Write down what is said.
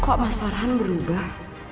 kok mas farhan berubah